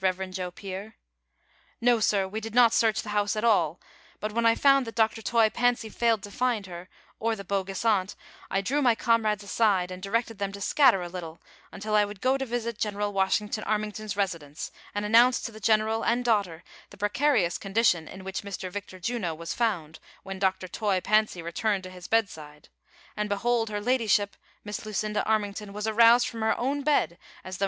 Rev. Joe Pier. " No sir, we did not search the house at all ; but, when I found that Dr. Toy Fancy failed to find her, or the bogus aunt, I drew my comrades aside, and directed them to scatter a little, until I would go to visit General Washing ton Armington's residence, and announce to tlie general and daugliter the precarious condition in which Mr. Victor Juno was found when Dr. Toy Fancy returned to his bedside ; and behold her ladyship — iSIiss Lucinda Armington — was aroused from her own bed, as thougli THE CONSPIRATOKS AND LOVERS.